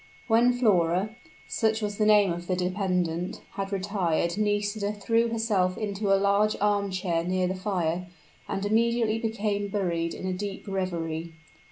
When Flora such was the name of the dependent had retired Nisida threw herself into a large arm chair near the fire, and immediately became buried in a deep reverie.